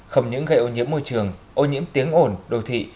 không những gây ô nhiễm môi trường ô nhiễm tiếng ổn đồ thị